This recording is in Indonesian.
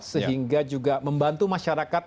sehingga juga membantu masyarakat